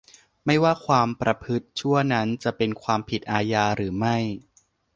ไม่ว่าความประพฤติชั่วนั้นจะเป็นความผิดอาญาหรือไม่